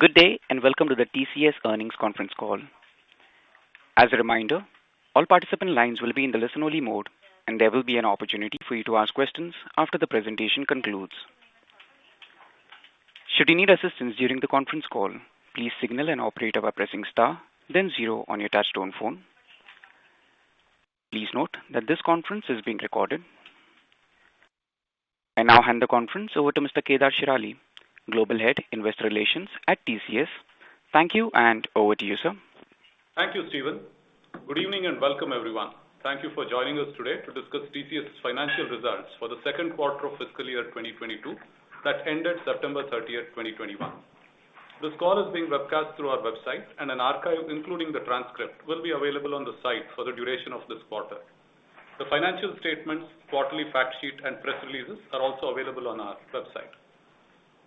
Good day, welcome to the TCS Earnings Conference Call. As a reminder, all participant lines will be in the listen only mode, and there will be an opportunity for you to ask questions after the presentation concludes. Should you need assistance during the conference call, please signal an operator by pressing star then zero on your touch-tone phone. Please note that this conference is being recorded. I now hand the conference over to Mr. Kedar Shirali, Global Head, Investor Relations at TCS. Thank you, over to you, sir. Thank you, Steven. Good evening, and welcome everyone. Thank you for joining us today to discuss TCS financial results for the second quarter of fiscal year 2022 that ended September 30th, 2021. This call is being webcast through our website, and an archive, including the transcript, will be available on the site for the duration of this quarter. The financial statements, quarterly fact sheet, and press releases are also available on our website.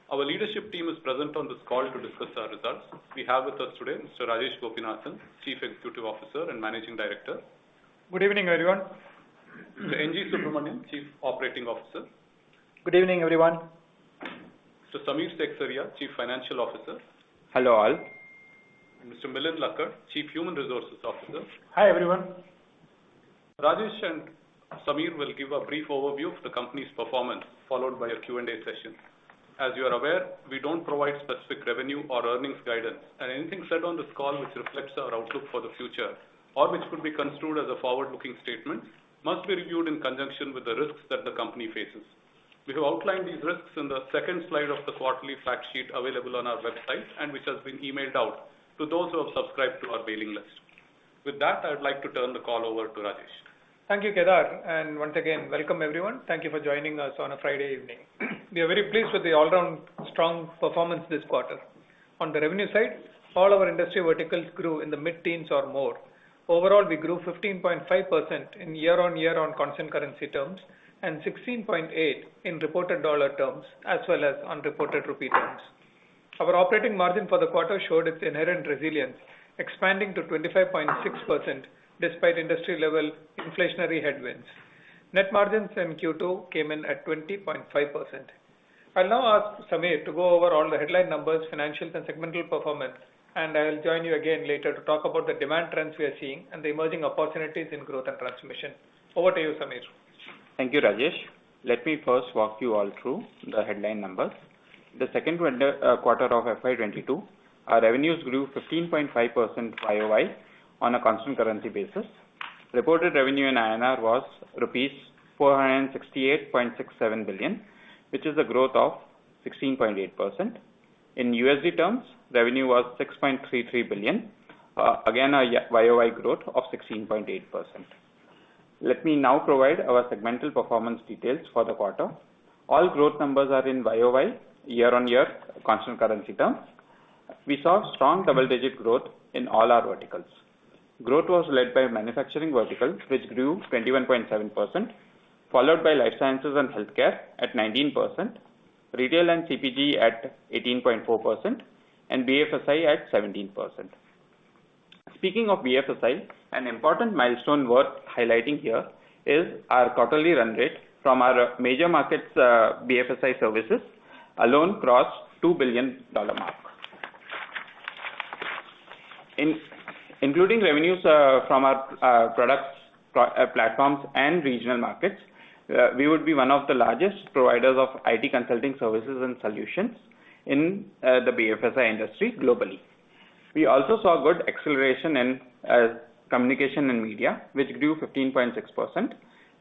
Our leadership team is present on this call to discuss our results. We have with us today Mr. Rajesh Gopinathan, Chief Executive Officer and Managing Director. Good evening, everyone. Mr. N G Subramaniam, Chief Operating Officer. Good evening, everyone. Mr. Samir Seksaria, Chief Financial Officer. Hello, all. Mr. Milind Lakkad, Chief Human Resources Officer. Hi, everyone. Rajesh and Samir will give a brief overview of the company's performance, followed by a Q&A session. As you are aware, we don't provide specific revenue or earnings guidance, and anything said on this call which reflects our outlook for the future, or which could be construed as a forward-looking statement, must be reviewed in conjunction with the risks that the company faces. We have outlined these risks in the second slide of the quarterly fact sheet available on our website, and which has been emailed out to those who have subscribed to our mailing list. With that, I would like to turn the call over to Rajesh. Thank you, Kedar. Once again, welcome everyone. Thank you for joining us on a Friday evening. We are very pleased with the all-around strong performance this quarter. On the revenue side, all our industry verticals grew in the mid-teens or more. Overall, we grew 15.5% in year-over-year on constant currency terms, and 16.8% in reported dollar terms as well as on reported rupee terms. Our operating margin for the quarter showed its inherent resilience, expanding to 25.6% despite industry-level inflationary headwinds. Net margins in Q2 came in at 20.5%. I'll now ask Samir to go over all the headline numbers, financials, and segmental performance, and I'll join you again later to talk about the demand trends we are seeing and the emerging opportunities in Growth and Transformation. Over to you, Samir. Thank you, Rajesh. Let me first walk you all through the headline numbers. The second quarter of FY 2022, our revenues grew 15.5% year-over-year on a constant currency basis. Reported revenue in INR was rupees 468.67 billion, which is a growth of 16.8%. In USD terms, revenue was $6.33 billion. Again, a year-over-year growth of 16.8%. Let me now provide our segmental performance details for the quarter. All growth numbers are in year-over-year, year on year, constant currency terms. We saw strong double-digit growth in all our verticals. Growth was led by manufacturing verticals, which grew 21.7%, followed by life sciences and healthcare at 19%, retail and CPG at 18.4%, and BFSI at 17%. Speaking of BFSI, an important milestone worth highlighting here is our quarterly run rate from our major markets BFSI services alone crossed $2 billion mark. Including revenues from our products, platforms, and regional markets, we would be one of the largest providers of IT consulting services and solutions in the BFSI industry globally. We also saw good acceleration in communication and media, which grew 15.6%,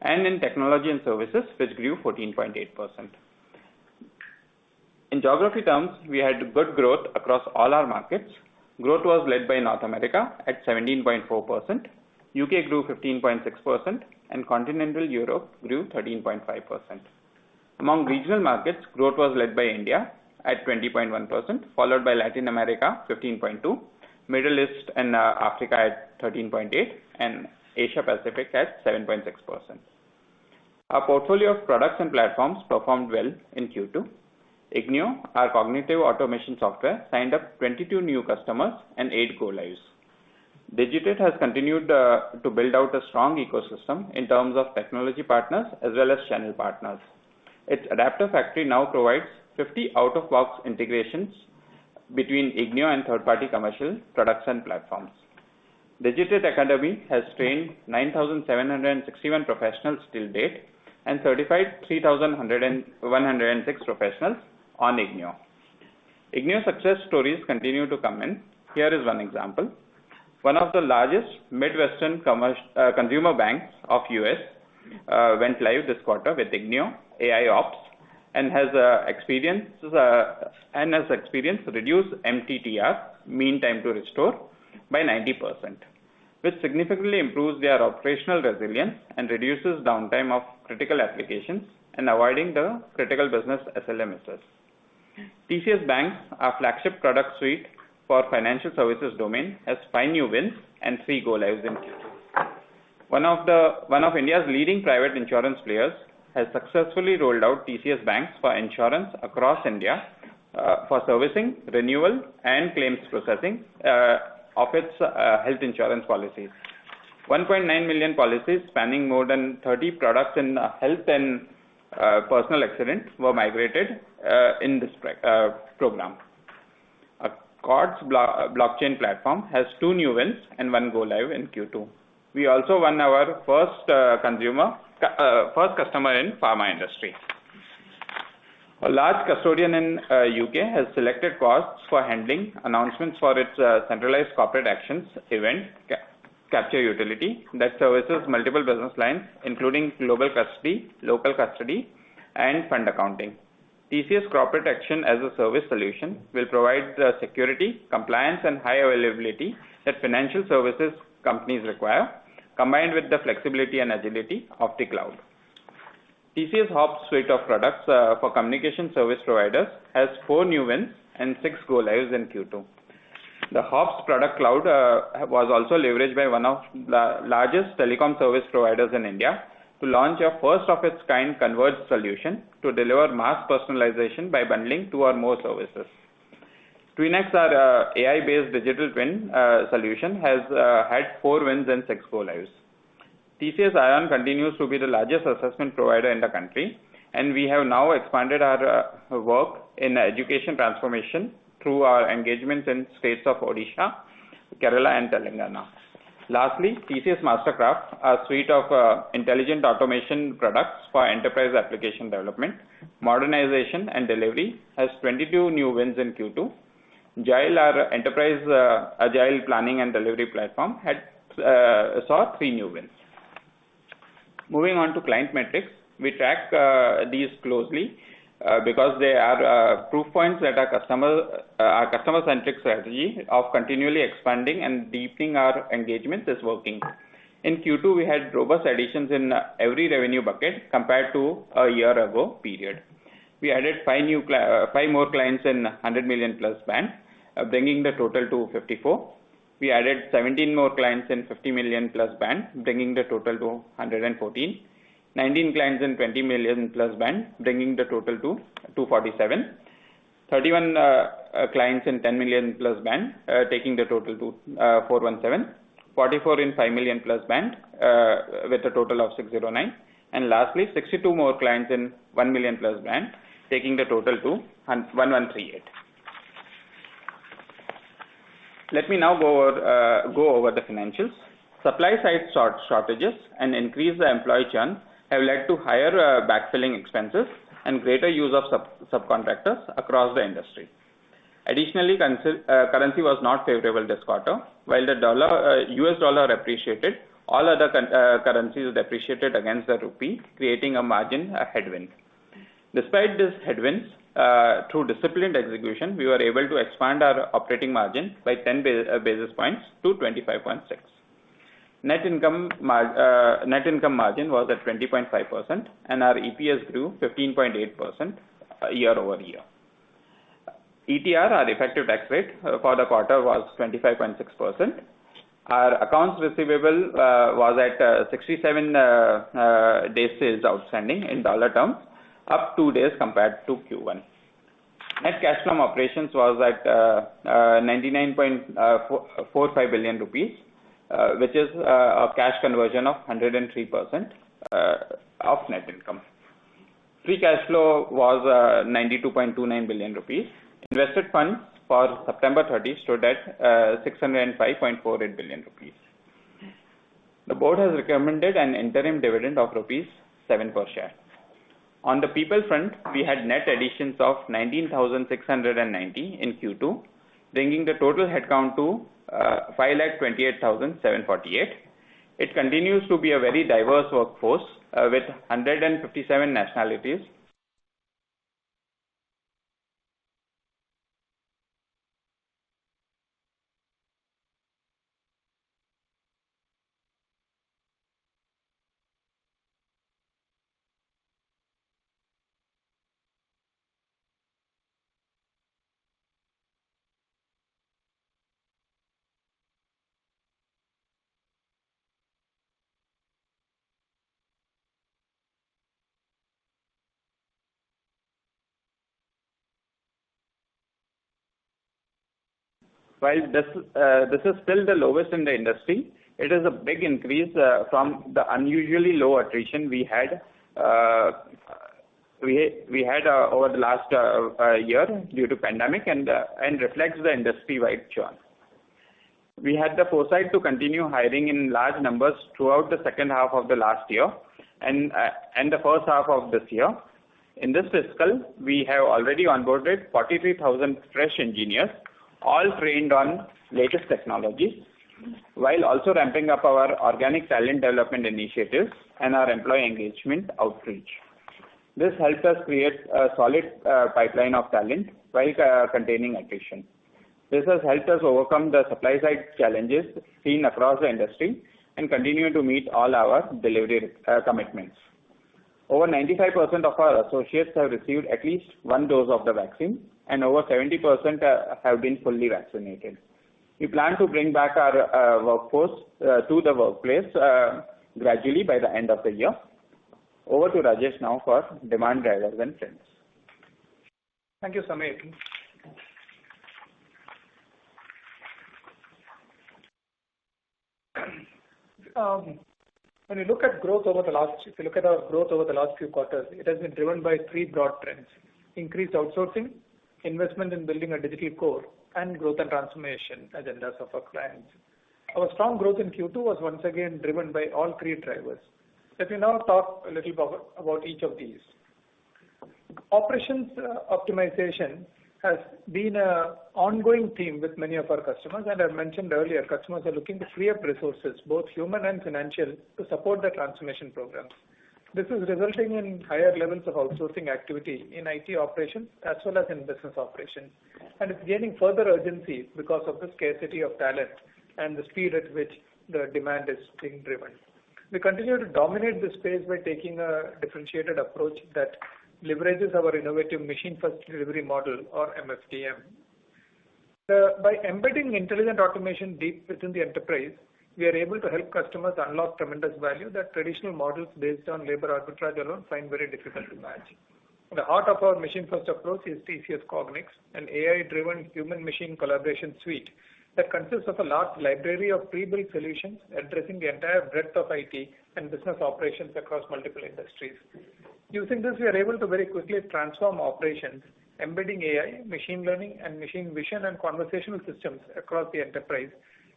and in technology and services, which grew 14.8%. In geography terms, we had good growth across all our markets. Growth was led by North America at 17.4%. U.K. grew 15.6%, and Continental Europe grew 13.5%. Among regional markets, growth was led by India at 20.1%, followed by Latin America, 15.2%, Middle East and Africa at 13.8%, and Asia Pacific at 7.6%. Our portfolio of products and platforms performed well in Q2. Ignio, our cognitive automation software, signed up 22 new customers and eight go-lives. Digitate has continued to build out a strong ecosystem in terms of technology partners as well as channel partners. Its adapter factory now provides 50 out-of-box integrations between ignio and third-party commercial products and platforms. Digitate Academy has trained 9,761 professionals till date and certified 3,106 professionals on ignio. ignio success stories continue to come in. Here is one example. One of the largest Midwestern consumer banks of U.S. went live this quarter with ignio AIOps and has experienced reduced MTTR, mean time to restore, by 90%, which significantly improves their operational resilience and reduces downtime of critical applications and avoiding the critical business SL misses. TCS BaNCS, our flagship product suite for financial services domain, has five new wins and three go-lives in Q2. One of India's leading private insurance players has successfully rolled out TCS BaNCS for Insurance across India for servicing, renewal, and claims processing of its health insurance policies. 1.9 million policies spanning more than 30 products in health and personal accidents were migrated in this program. TCS Quartz Blockchain platform has two new wins and one go-live in Q2. We also won our first customer in pharma industry. A large custodian in the U.K. has selected TCS Quartz for handling announcements for its centralized corporate actions event capture utility that services multiple business lines, including global custody, local custody, and fund accounting. TCS corporate action-as-a-service solution will provide the security, compliance, and high availability that financial services companies require, combined with the flexibility and agility of the cloud. TCS HOBS suite of products for communication service providers has four new wins and six go-lives in Q2. The TCS HOBS product cloud was also leveraged by one of the largest telecom service providers in India to launch a first-of-its-kind converged solution to deliver mass personalization by bundling two or more services. TCS TwinX, our AI-based digital twin solution, has had four wins and six go-lives. TCS iON continues to be the largest assessment provider in the country, and we have now expanded our work in education transformation through our engagements in states of Odisha, Kerala, and Telangana. Lastly, TCS MasterCraft, our suite of intelligent automation products for enterprise application development, modernization, and delivery, has 22 new wins in Q2. Jile, our enterprise agile planning and delivery platform, saw three new wins. Moving on to client metrics. We track these closely because they are proof points that our customer-centric strategy of continually expanding and deepening our engagements is working. In Q2, we had robust additions in every revenue bucket compared to a year ago period. We added five more clients in 100-million-plus band, bringing the total to 54. We added 17 more clients in 50-million-plus band, bringing the total to 114. 19 clients in 20-million-plus band, bringing the total to 247. 31 clients in 10-million-plus band, taking the total to 417. 44 in 5-million-plus band, with a total of 609. Lastly, 62 more clients in 1-million-plus band, taking the total to 1,138. Let me now go over the financials. Supply-side shortages and increased employee churn have led to higher backfilling expenses and greater use of subcontractors across the industry. Additionally, currency was not favorable this quarter. While the US dollar appreciated, all other currencies depreciated against the rupee, creating a margin headwind. Despite this headwind, through disciplined execution, we were able to expand our operating margin by 10 basis points to 25.6%. Net income margin was at 20.5%, and our EPS grew 15.8% year-over-year. ETR, our effective tax rate for the quarter, was 25.6%. Our accounts receivable was at 67 days sales outstanding in dollar terms, up two days compared to Q1. Net cash from operations was at 99.45 billion rupees, which is a cash conversion of 103% of net income. Free cash flow was 92.29 billion rupees. Invested funds for September 30 stood at 605.48 billion rupees. The board has recommended an interim dividend of rupees 7 per share. On the people front, we had net additions of 19,690 in Q2, bringing the total head count to 528,748. It continues to be a very diverse workforce with 157 nationalities. While this is still the lowest in the industry, it is a big increase from the unusually low attrition we had over the last year due to pandemic and reflects the industry-wide churn. We had the foresight to continue hiring in large numbers throughout the second half of the last year and the first half of this year. In this fiscal, we have already onboarded 43,000 fresh engineers, all trained on latest technologies, while also ramping up our organic talent development initiatives and our employee engagement outreach. This helped us create a solid pipeline of talent while containing attrition. This has helped us overcome the supply-side challenges seen across the industry and continue to meet all our delivery commitments. Over 95% of our associates have received at least one dose of the vaccine, and over 70% have been fully vaccinated. We plan to bring back our workforce to the workplace gradually by the end of the year. Over to Rajesh now for demand drivers and trends. Thank you, Samir. When you look at our growth over the last few quarters, it has been driven by three broad trends: increased outsourcing, investment in building a digital core, and growth and transformation agendas of our clients. Our strong growth in Q2 was once again driven by all three drivers. Let me now talk a little about each of these. Operations optimization has been an ongoing theme with many of our customers, and I mentioned earlier, customers are looking to free up resources, both human and financial, to support their transformation programs. This is resulting in higher levels of outsourcing activity in IT operations as well as in business operations. It's gaining further urgency because of the scarcity of talent and the speed at which the demand is being driven. We continue to dominate this space by taking a differentiated approach that leverages our innovative Machine First Delivery Model, or MFDM. By embedding intelligent automation deep within the enterprise, we are able to help customers unlock tremendous value that traditional models based on labor arbitrage alone find very difficult to match. The heart of our machine-first approach is TCS Cognix, an AI-driven human machine collaboration suite that consists of a large library of pre-built solutions addressing the entire breadth of IT and business operations across multiple industries. Using this, we are able to very quickly transform operations, embedding AI, machine learning, and machine vision and conversational systems across the enterprise,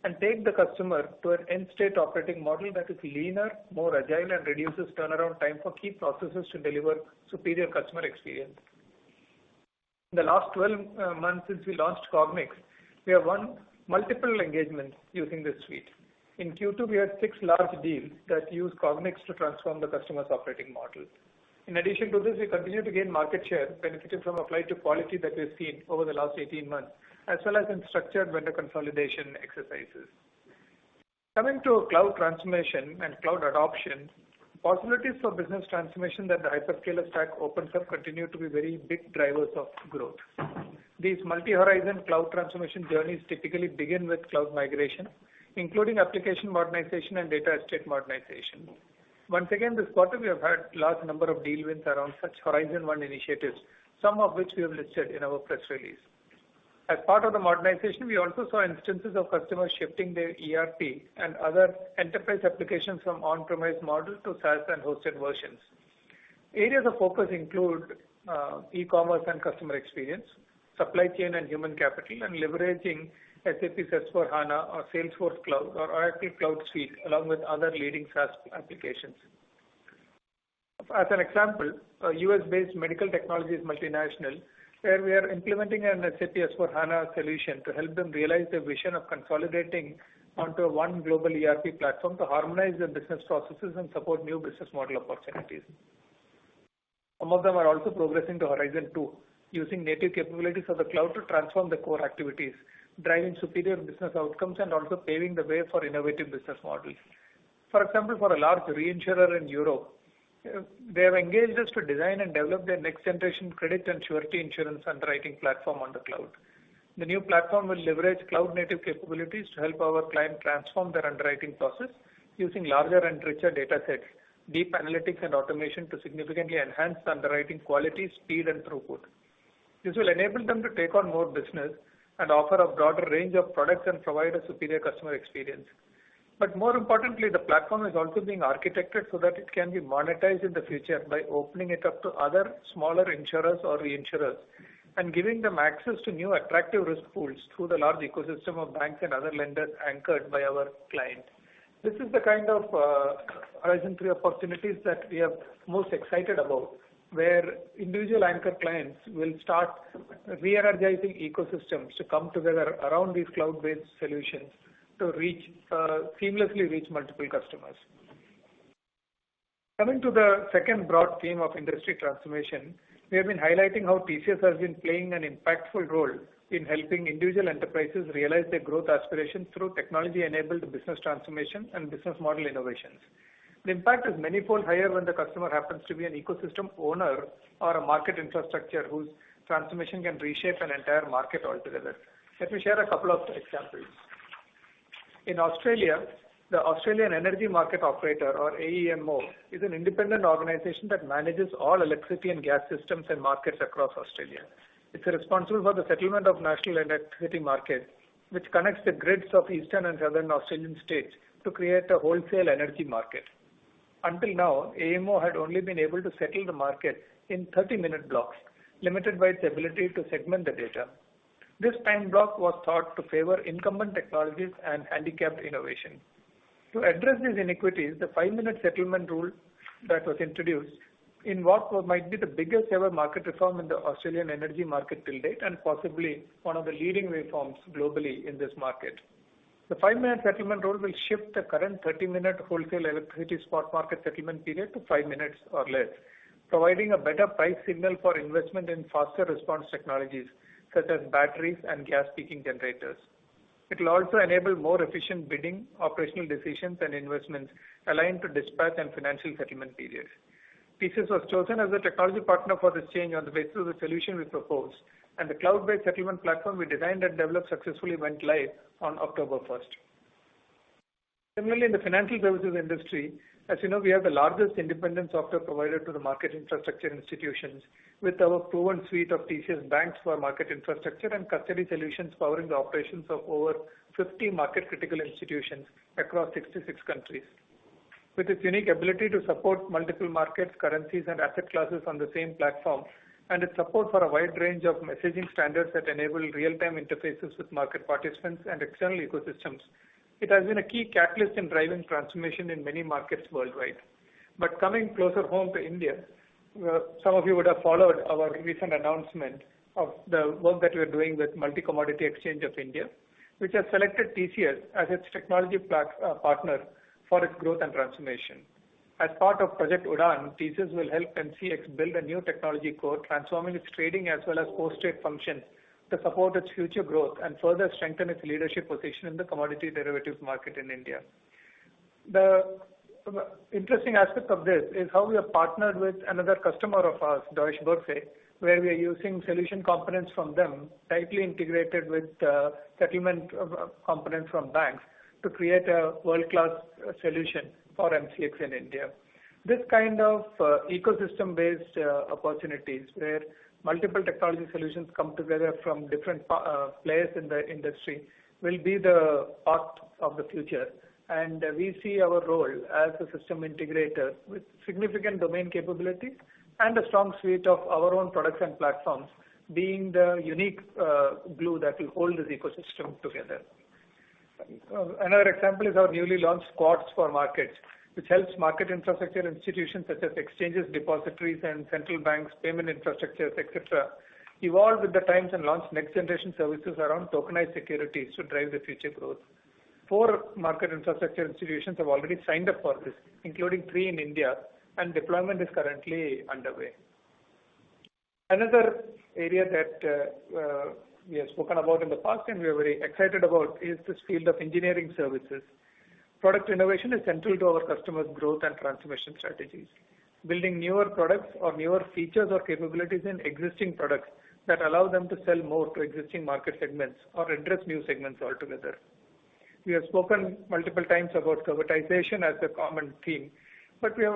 and take the customer to an end-state operating model that is leaner, more agile, and reduces turnaround time for key processes to deliver superior customer experience. In the last 12 months since we launched Cognix, we have won multiple engagements using this suite. In Q2, we had six large deals that used Cognix to transform the customer's operating model. In addition to this, we continue to gain market share, benefiting from applied to quality that we've seen over the last 18 months, as well as in structured vendor consolidation exercises. Coming to cloud transformation and cloud adoption, possibilities for business transformation that the hyperscaler stack opens up continue to be very big drivers of growth. These multi-horizon cloud transformation journeys typically begin with cloud migration, including application modernization and data estate modernization. Once again, this quarter, we have had large number of deal wins around such Horizon 1 initiatives, some of which we have listed in our press release. As part of the modernization, we also saw instances of customers shifting their ERP and other enterprise applications from on-premise model to SaaS and hosted versions. Areas of focus include e-commerce and customer experience, supply chain and human capital, and leveraging SAP S/4HANA or Salesforce Cloud or Oracle Cloud Suite, along with other leading SaaS applications. As an example, a U.S.-based medical technologies multinational, where we are implementing an SAP S/4HANA solution to help them realize their vision of consolidating onto one global ERP platform to harmonize their business processes and support new business model opportunities. Some of them are also progressing to Horizon 2, using native capabilities of the cloud to transform the core activities, driving superior business outcomes, and also paving the way for innovative business models. For example, for a large reinsurer in Europe, they have engaged us to design and develop their next-generation credit and surety insurance underwriting platform on the cloud. The new platform will leverage cloud-native capabilities to help our client transform their underwriting process using larger and richer data sets, deep analytics and automation to significantly enhance underwriting quality, speed, and throughput. This will enable them to take on more business and offer a broader range of products and provide a superior customer experience. More importantly, the platform is also being architected so that it can be monetized in the future by opening it up to other smaller insurers or reinsurers and giving them access to new attractive risk pools through the large ecosystem of banks and other lenders anchored by our client. This is the kind of Horizon 3 opportunities that we are most excited about, where individual anchor clients will start re-energizing ecosystems to come together around these cloud-based solutions to seamlessly reach multiple customers. Coming to the second broad theme of industry transformation, we have been highlighting how TCS has been playing an impactful role in helping individual enterprises realize their growth aspirations through technology-enabled business transformation and business model innovations. The impact is manifold higher when the customer happens to be an ecosystem owner or a market infrastructure whose transformation can reshape an entire market altogether. Let me share a couple of examples. In Australia, the Australian Energy Market Operator, or AEMO, is an independent organization that manages all electricity and gas systems and markets across Australia. It's responsible for the settlement of national electricity markets, which connects the grids of eastern and southern Australian states to create a wholesale energy market. Until now, AEMO had only been able to settle the market in 30-minute blocks, limited by its ability to segment the data. This time block was thought to favor incumbent technologies and handicapped innovation. To address these inequities, the five-minute settlement rule that was introduced in what might be the biggest-ever market reform in the Australian energy market to date and possibly one of the leading reforms globally in this market. The five-minute settlement rule will shift the current 30-minute wholesale electricity spot market settlement period to five minutes or less, providing a better price signal for investment in faster response technologies such as batteries and gas peaking generators. It will also enable more efficient bidding, operational decisions, and investments aligned to dispatch and financial settlement periods. TCS was chosen as a technology partner for this change on the basis of the solution we proposed, and the cloud-based settlement platform we designed and developed successfully went live on October 1st. Similarly, in the financial services industry, as you know, we are the largest independent software provider to the market infrastructure institutions with our proven suite of TCS BaNCS for Market Infrastructure and custody solutions powering the operations of over 50 market-critical institutions across 66 countries. With its unique ability to support multiple markets, currencies, and asset classes on the same platform, and its support for a wide range of messaging standards that enable real-time interfaces with market participants and external ecosystems, it has been a key catalyst in driving transformation in many markets worldwide. Coming closer home to India, some of you would have followed our recent announcement of the work that we're doing with Multi Commodity Exchange of India, which has selected TCS as its technology partner for its growth and transformation. As part of Project Udaan, TCS will help MCX build a new technology core, transforming its trading as well as post-trade functions to support its future growth and further strengthen its leadership position in the commodity derivatives market in India. The interesting aspect of this is how we have partnered with another customer of ours, Deutsche Börse, where we are using solution components from them tightly integrated with settlement components from banks to create a world-class solution for MCX in India. This kind of ecosystem-based opportunities where multiple technology solutions come together from different players in the industry will be the path of the future. We see our role as a system integrator with significant domain capabilities and a strong suite of our own products and platforms being the unique glue that will hold this ecosystem together. Another example is our newly launched Quartz for Markets, which helps market infrastructure institutions such as exchanges, depositories, and central banks, payment infrastructures, etc, evolve with the times and launch next-generation services around tokenized securities to drive the future growth. Four market infrastructure institutions have already signed up for this, including three in India, and deployment is currently underway. Another area that we have spoken about in the past and we are very excited about is this field of engineering services. Product innovation is central to our customers' growth and transformation strategies. Building newer products or newer features or capabilities in existing products that allow them to sell more to existing market segments or address new segments altogether. We have spoken multiple times about servitization as a common theme, but we've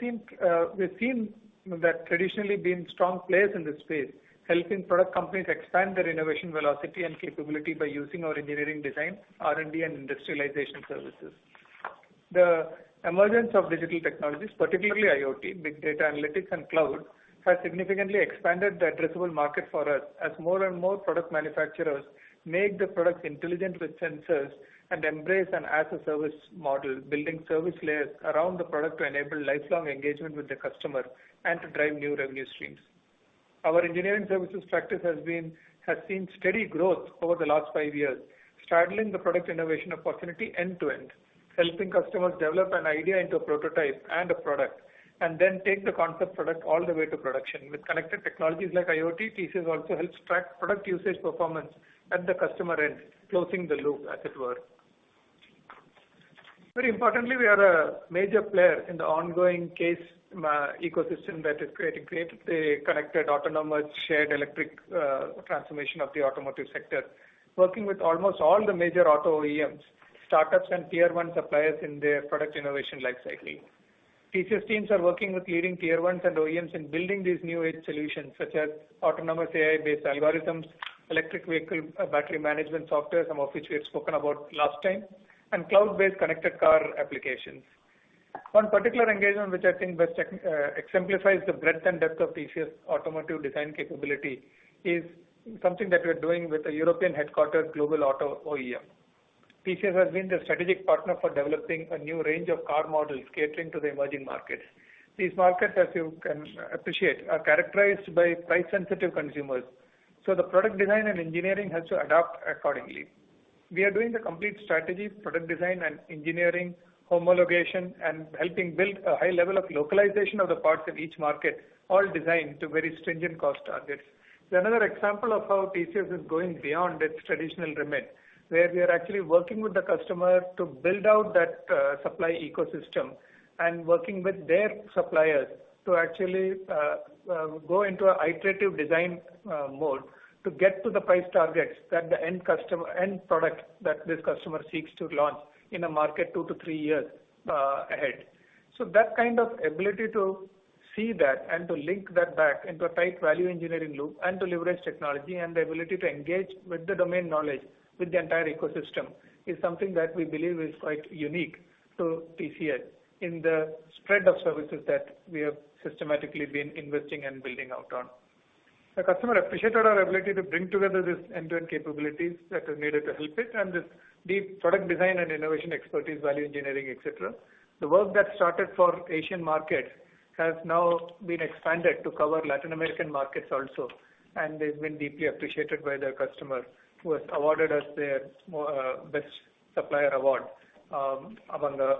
seen that traditionally been strong players in this space, helping product companies expand their innovation velocity and capability by using our engineering design, R&D, and industrialization services. The emergence of digital technologies, particularly IoT, big data analytics, and cloud, has significantly expanded the addressable market for us as more and more product manufacturers make the products intelligent with sensors and embrace an as-a-service model, building service layers around the product to enable lifelong engagement with the customer and to drive new revenue streams. Our engineering services practice has seen steady growth over the last five years, straddling the product innovation opportunity end-to-end, helping customers develop an idea into a prototype and a product, and then take the concept product all the way to production. With connected technologies like IoT, TCS also helps track product usage performance at the customer end, closing the loop as it were. Very importantly, we are a major player in the ongoing CASE ecosystem that is creating connected, autonomous, shared electric transformation of the automotive sector, working with almost all the major auto OEMs, startups, and tier-one suppliers in their product innovation life cycle. TCS teams are working with leading tier ones and OEMs in building these new-age solutions such as autonomous AI-based algorithms, electric vehicle battery management software, some of which we have spoken about last time, and cloud-based connected car applications. One particular engagement, which I think best exemplifies the breadth and depth of TCS automotive design capability, is something that we're doing with a European-headquartered global auto OEM. TCS has been the strategic partner for developing a new range of car models catering to the emerging markets. These markets, as you can appreciate, are characterized by price-sensitive consumers, so the product design and engineering has to adapt accordingly. We are doing the complete strategy, product design and engineering, homologation, and helping build a high level of localization of the parts in each market, all designed to very stringent cost targets. Another example of how TCS is going beyond its traditional remit, where we are actually working with the customer to build out that supply ecosystem and working with their suppliers to actually go into an iterative design mode to get to the price targets that the end product that this customer seeks to launch in a market two to three years ahead. That kind of ability to see that and to link that back into a tight value engineering loop and to leverage technology and the ability to engage with the domain knowledge with the entire ecosystem is something that we believe is quite unique to TCS in the spread of services that we have systematically been investing and building out on. The customer appreciated our ability to bring together these end-to-end capabilities that are needed to help it, and this deep product design and innovation expertise, value engineering, etc. The work that started for Asian markets has now been expanded to cover Latin American markets also, and it's been deeply appreciated by their customer, who has awarded us their Best Supplier Award among the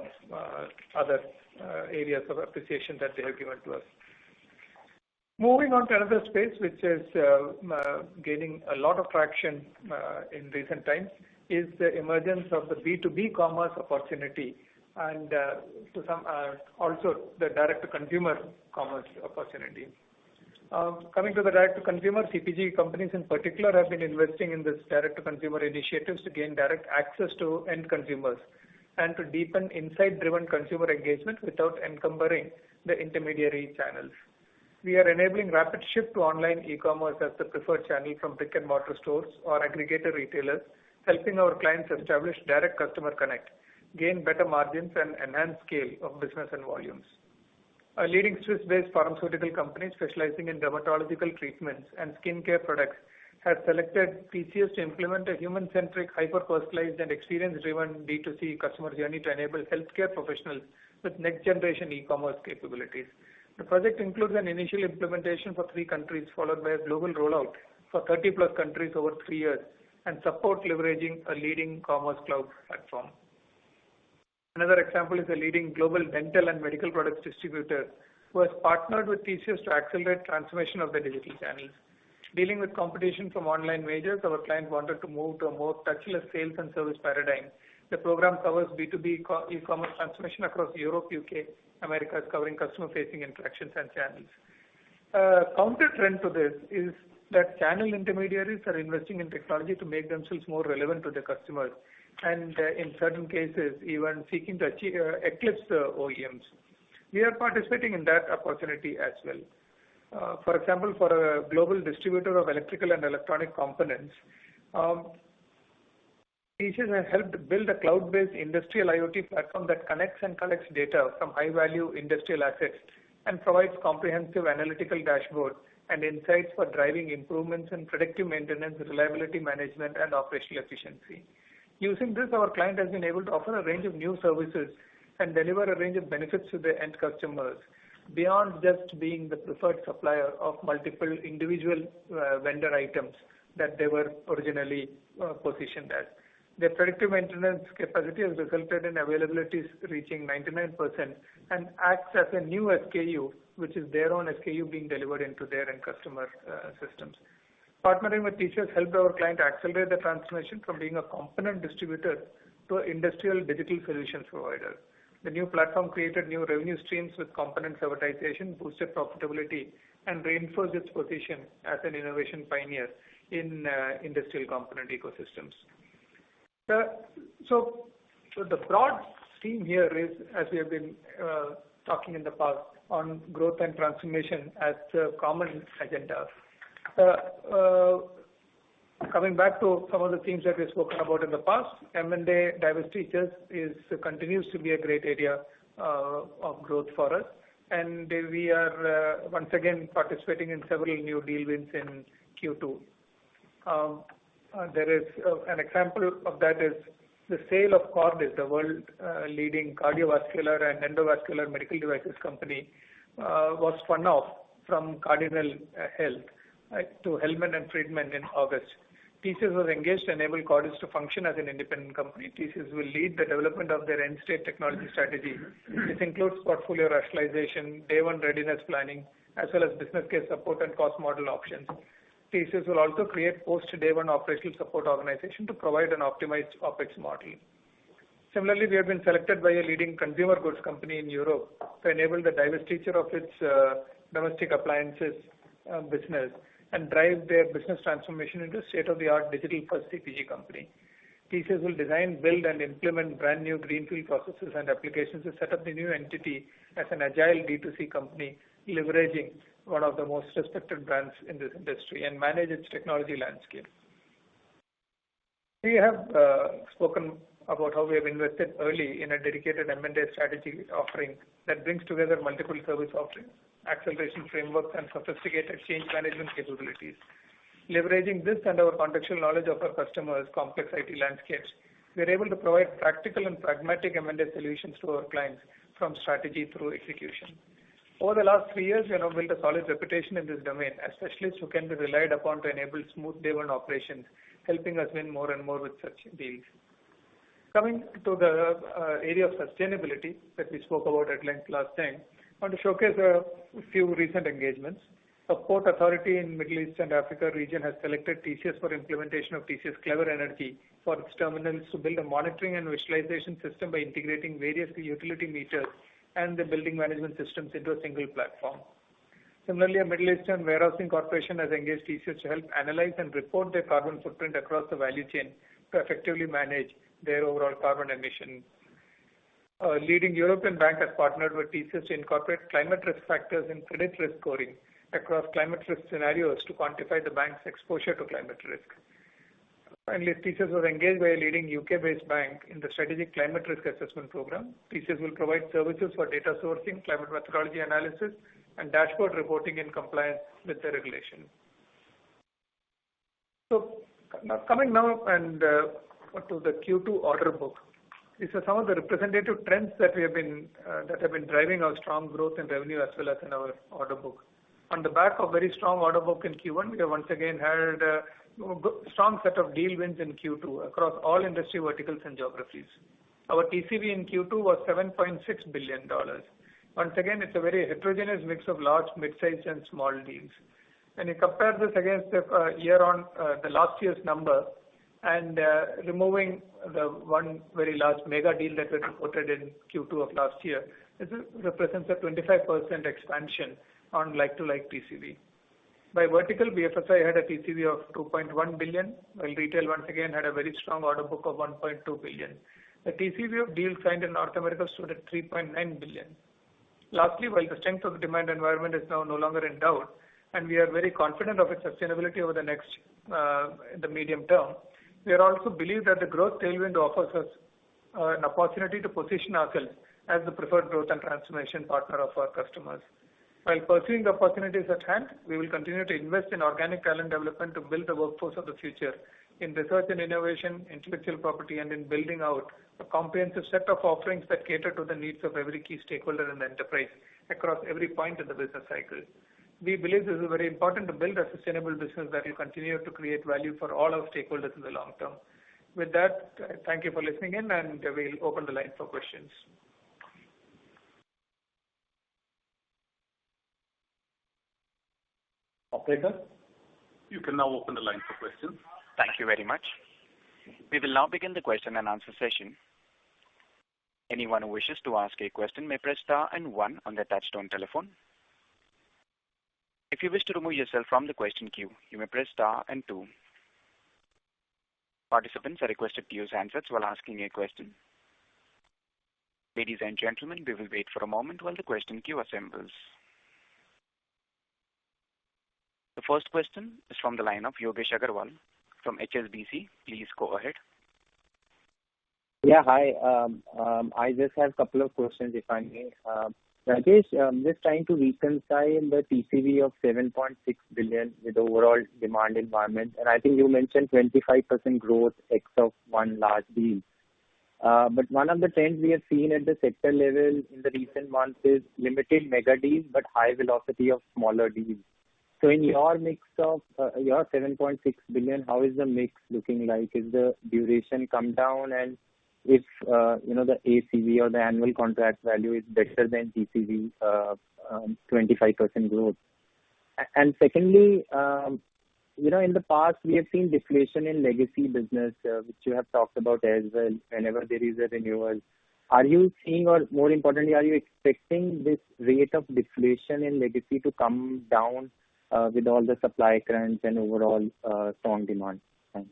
other areas of appreciation that they have given to us. Moving on to another space which is gaining a lot of traction in recent times is the emergence of the B2B commerce opportunity and also the direct-to-consumer commerce opportunity. Coming to the direct-to-consumer, CPG companies in particular have been investing in this direct-to-consumer initiatives to gain direct access to end consumers and to deepen insight-driven consumer engagement without encumbering the intermediary channels. We are enabling rapid shift to online e-commerce as the preferred channel from brick-and-mortar stores or aggregator retailers, helping our clients establish direct customer connect, gain better margins, and enhance scale of business and volumes. A leading Swiss-based pharmaceutical company specializing in dermatological treatments and skincare products has selected TCS to implement a human-centric, hyper-personalized and experience-driven D2C customer journey to enable healthcare professionals with next-generation e-commerce capabilities. The project includes an initial implementation for three countries, followed by a global rollout for 30+ countries over three years and support leveraging a leading commerce cloud platform. Another example is a leading global dental and medical products distributor who has partnered with TCS to accelerate transformation of their digital channels. Dealing with competition from online majors, our client wanted to move to a more touchless sales and service paradigm. The program covers B2B e-commerce transformation across Europe, U.K., Americas, covering customer-facing interactions and channels. A countertrend to this is that channel intermediaries are investing in technology to make themselves more relevant to their customers and, in certain cases, even seeking to eclipse the OEMs. We are participating in that opportunity as well. For example, for a global distributor of electrical and electronic components, TCS has helped build a cloud-based industrial IoT platform that connects and collects data from high-value industrial assets and provides comprehensive analytical dashboards and insights for driving improvements in predictive maintenance, reliability management, and operational efficiency. Using this, our client has been able to offer a range of new services and deliver a range of benefits to their end customers, beyond just being the preferred supplier of multiple individual vendor items that they were originally positioned as. Their predictive maintenance capacity has resulted in availabilities reaching 99% and acts as a new SKU, which is their own SKU being delivered into their end customer systems. Partnering with TCS helped our client accelerate the transformation from being a component distributor to an industrial digital solutions provider. The new platform created new revenue streams with components advertising, boosted profitability, and reinforced its position as an innovation pioneer in industrial component ecosystems. The broad theme here is, as we have been talking in the past, on Growth and Transformation as a common agenda. Coming back to some of the themes that we've spoken about in the past, M&A divestitures continues to be a great area of growth for us, and we are once again participating in several new deal wins in Q2. An example of that is the sale of Cordis, the world's leading cardiovascular and endovascular medical devices company, was spun off from Cardinal Health to Hellman & Friedman in August. TCS was engaged to enable Cordis to function as an independent company. TCS will lead the development of their end-state technology strategy. This includes portfolio rationalization, day-one readiness planning, as well as business case support and cost model options. TCS will also create post-day-one operational support organization to provide an optimized OpEx model. Similarly, we have been selected by a leading consumer goods company in Europe to enable the divestiture of its domestic appliances business and drive their business transformation into a state-of-the-art digital-first CPG company. TCS will design, build, and implement brand-new greenfield processes and applications to set up the new entity as an agile D2C company, leveraging one of the most respected brands in this industry and manage its technology landscape. We have spoken about how we have invested early in a dedicated M&A strategy offering that brings together multiple service offerings, acceleration frameworks, and sophisticated change management capabilities. Leveraging this and our contextual knowledge of our customers' complex IT landscapes, we are able to provide practical and pragmatic M&A solutions to our clients from strategy through execution. Over the last three years, we have built a solid reputation in this domain as specialists who can be relied upon to enable smooth day-one operations, helping us win more and more with such deals. Coming to the area of sustainability that we spoke about at length last time, I want to showcase a few recent engagements. A port authority in Middle East and Africa region has selected TCS for implementation of TCS Clever Energy for its terminals to build a monitoring and visualization system by integrating various utility meters and the building management systems into a single platform. Similarly, a Middle Eastern warehousing corporation has engaged TCS to help analyze and report their carbon footprint across the value chain to effectively manage their overall carbon emissions. A leading European bank has partnered with TCS to incorporate climate risk factors in credit risk scoring across climate risk scenarios to quantify the bank's exposure to climate risk. Finally, TCS was engaged by a leading U.K.-based bank in the strategic climate risk assessment program. TCS will provide services for data sourcing, climate methodology analysis, and dashboard reporting in compliance with the regulation. Coming now to the Q2 order book. These are some of the representative trends that have been driving our strong growth in revenue as well as in our order book. On the back of very strong order book in Q1, we have once again had a strong set of deal wins in Q2 across all industry verticals and geographies. Our TCV in Q2 was $7.6 billion. Once again, it's a very heterogeneous mix of large, midsize, and small deals. When you compare this against a year on the last year's number and removing the one very large mega deal that we reported in Q2 of last year, this represents a 25% expansion on like-to-like TCV. By vertical, BFSI had a TCV of $2.1 billion, while retail once again had a very strong order book of $1.2 billion. The TCV of deals signed in North America stood at $3.9 billion. Lastly, while the strength of the demand environment is now no longer in doubt, and we are very confident of its sustainability over the medium term, we also believe that the growth tailwind offers us an opportunity to position ourselves as the preferred growth and transformation partner of our customers. While pursuing the opportunities at hand, we will continue to invest in organic talent development to build the workforce of the future in research and innovation, intellectual property, and in building out a comprehensive set of offerings that cater to the needs of every key stakeholder in the enterprise across every point in the business cycle. We believe this is very important to build a sustainable business that will continue to create value for all our stakeholders in the long term. With that, thank you for listening in, and we will open the line for questions. Operator. You can now open the line for questions. Thank you very much. We will now begin the question and answer session. Anyone who wishes to ask a question, may press star and one on touchtone telephone. If you wish to remove yourself from question queue, you may press star and two. Participants are requested to use Handset when asking a question. Ladies and gentlemen, we will wait for a moment while the question queue assembles. The first question is from the line of Yogesh Aggarwal from HSBC. Please go ahead. Yeah. Hi. I just have a couple of questions, if I may. Rajesh, I'm just trying to reconcile the TCV of $7.6 billion with the overall demand environment. I think you mentioned 25% growth ex of one large deal. One of the trends we have seen at the sector level in the recent months is limited mega deals but high velocity of smaller deals. In your mix of your $7.6 billion, how is the mix looking like? Is the duration come down? If the ACV or the annual contract value is better than TCV 25% growth. Secondly, in the past, we have seen deflation in legacy business, which you have talked about as well whenever there is a renewal. Are you seeing or more importantly, are you expecting this rate of deflation in legacy to come down with all the supply currents and overall strong demand? Thanks.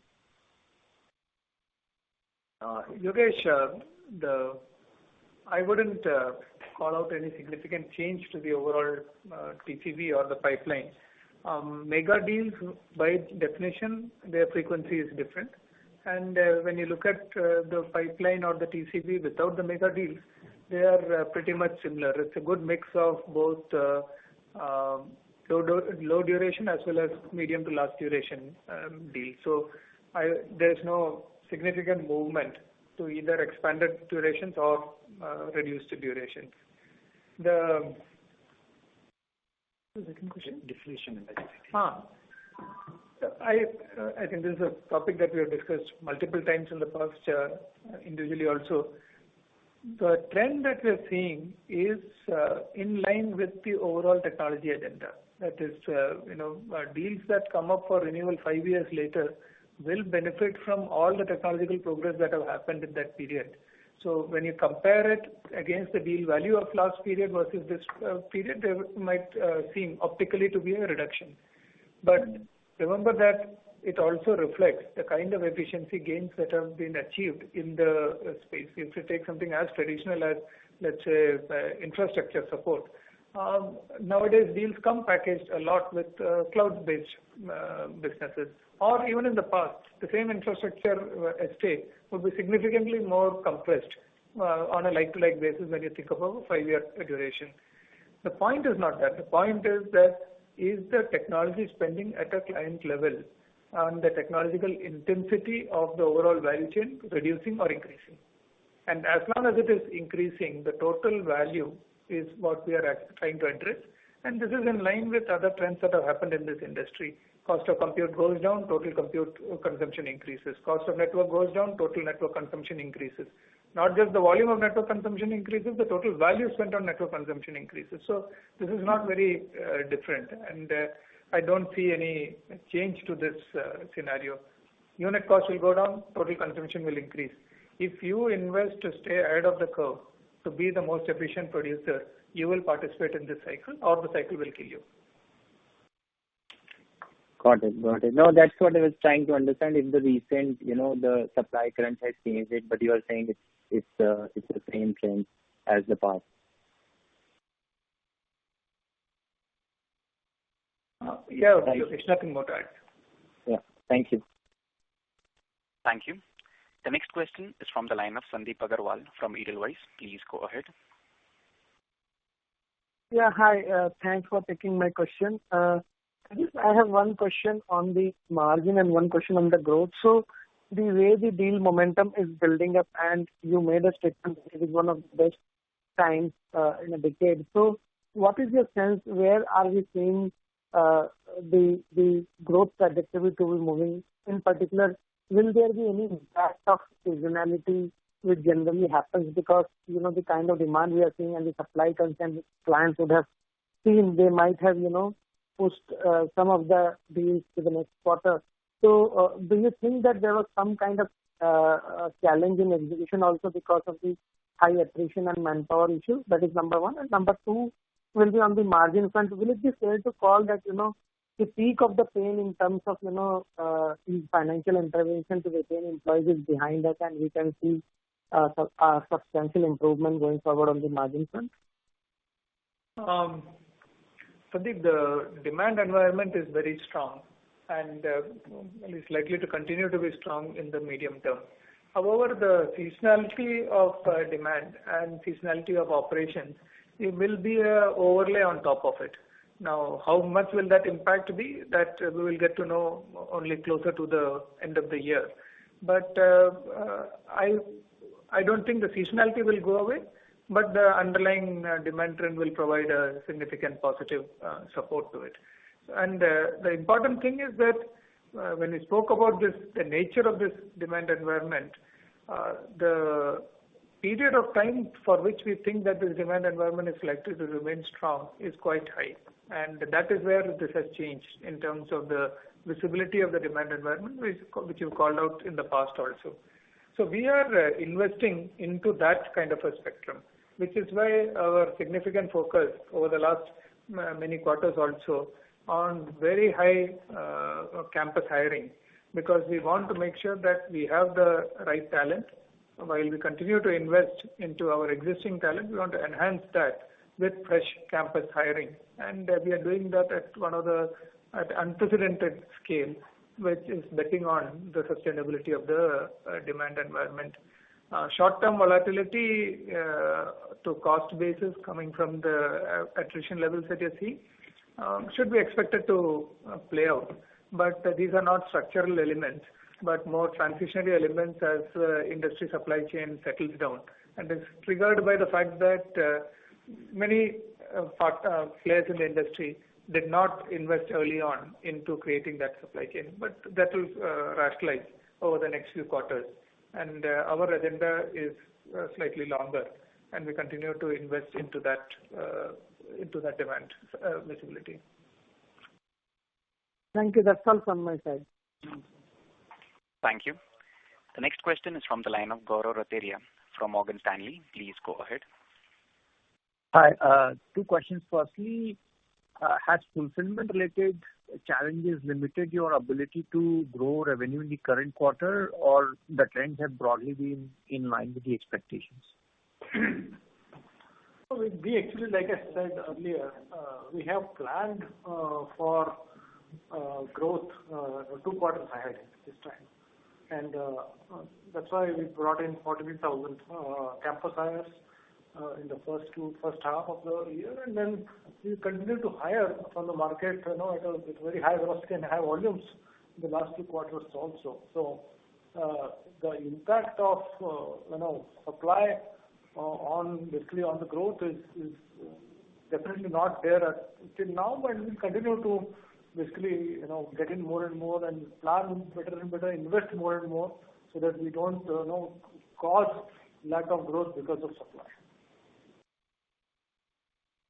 Yogesh, I wouldn't call out any significant change to the overall TCV or the pipeline. Mega deals, by definition, their frequency is different. When you look at the pipeline or the TCV without the mega deals, they are pretty much similar. It's a good mix of both low duration as well as medium to large duration deals. There's no significant movement to either expanded durations or reduced durations. The second question? Deflation in legacy. I think this is a topic that we have discussed multiple times in the past individually also. The trend that we're seeing is in line with the overall technology agenda. Deals that come up for renewal five years later will benefit from all the technological progress that have happened in that period. When you compare it against the deal value of last period versus this period, there might seem optically to be a reduction. Remember that it also reflects the kind of efficiency gains that have been achieved in the space. If you take something as traditional as, let's say, infrastructure support. Nowadays, deals come packaged a lot with cloud-based businesses. Even in the past, the same infrastructure estate would be significantly more compressed on a like-to-like basis when you think of a five-year duration. The point is not that. The point is that is the technology spending at a client level and the technological intensity of the overall value chain reducing or increasing. As long as it is increasing, the total value is what we are trying to address. This is in line with other trends that have happened in this industry. Cost of compute goes down, total compute consumption increases. Cost of network goes down, total network consumption increases. Not just the volume of network consumption increases, the total value spent on network consumption increases. This is not very different, and I don't see any change to this scenario. Unit cost will go down, total consumption will increase. If you invest to stay ahead of the curve to be the most efficient producer, you will participate in this cycle, or the cycle will kill you. Got it. No, that's what I was trying to understand if the recent supply current has changed, but you are saying it's the same trend as the past. Yeah, Yogesh. Nothing more to add. Yeah. Thank you. Thank you. The next question is from the line of Sandip Agarwal from Edelweiss. Please go ahead. Yeah. Hi. Thanks for taking my question. Rajesh, I have one question on the margin and 1 question on the growth. The way the deal momentum is building up and you made a statement that it is one of the best times in a decade. What is your sense where are we seeing the growth predictability will be moving? In particular, will there be any impact of seasonality, which generally happens because the kind of demand we are seeing and the supply constraints clients would have seen, they might have pushed some of the deals to the next quarter. Do you think that there was some kind of challenging execution also because of the high attrition and manpower issue? That is number one. Number two will be on the margin front. Will it be fair to call that, the peak of the pain in terms of the financial intervention to retain employees is behind us, and we can see a substantial improvement going forward on the margin front? Sandip, the demand environment is very strong and is likely to continue to be strong in the medium term. The seasonality of demand and seasonality of operations, it will be an overlay on top of it. How much will that impact be? That we will get to know only closer to the end of the year. I don't think the seasonality will go away, but the underlying demand trend will provide a significant positive support to it. The important thing is that when we spoke about the nature of this demand environment, the period of time for which we think that this demand environment is likely to remain strong is quite high. That is where this has changed in terms of the visibility of the demand environment, which you called out in the past also. We are investing into that kind of a spectrum, which is why our significant focus over the last many quarters also on very high campus hiring, because we want to make sure that we have the right talent. While we continue to invest into our existing talent, we want to enhance that with fresh campus hiring. And we are doing that at unprecedented scale, which is betting on the sustainability of the demand environment. Short-term volatility to cost basis coming from the attrition levels that you see should be expected to play out. But these are not structural elements, but more transitionary elements as industry supply chain settles down. And it is triggered by the fact that many players in the industry did not invest early on into creating that supply chain. But that will rationalize over the next few quarters. Our agenda is slightly longer, and we continue to invest into that demand visibility. Thank you. That's all from my side. Thank you. The next question is from the line of Gaurav Rateria from Morgan Stanley. Please go ahead. Hi. Two questions. Firstly, has fulfillment-related challenges limited your ability to grow revenue in the current quarter, or the trend have broadly been in line with the expectations? We actually, like I said earlier, we have planned for growth two quarters ahead this time. That's why we brought in 43,000 campus hires in the first half of the year. Then we continued to hire from the market at a very high risk and high volumes in the last two quarters also. The impact of supply basically on the growth is definitely not there till now. We'll continue to basically get in more and more and plan better and better, invest more and more so that we don't cause lack of growth because of supply.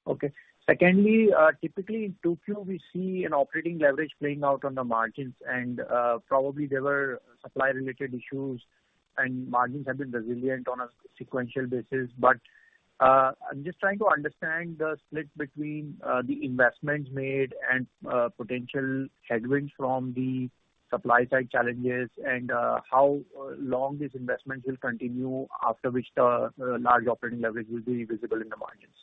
Okay. Secondly, typically in 2Q, we see an operating leverage playing out on the margins. Probably there were supply-related issues and margins have been resilient on a sequential basis. I'm just trying to understand the split between the investments made and potential headwinds from the supply-side challenges and how long these investments will continue, after which the large operating leverage will be visible in the margins.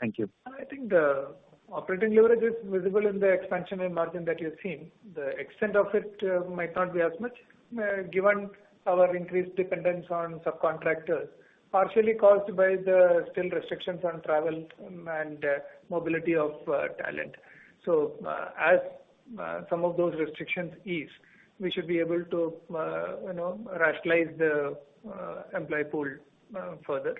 Thank you. I think the operating leverage is visible in the expansion in margin that you're seeing. The extent of it might not be as much given our increased dependence on subcontractors, partially caused by the still restrictions on travel and mobility of talent. As some of those restrictions ease, we should be able to rationalize the employee pool further.